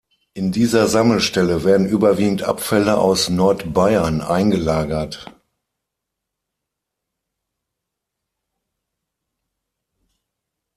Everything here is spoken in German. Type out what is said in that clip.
In dieser Sammelstelle werden überwiegend Abfälle aus Nord-Bayern eingelagert.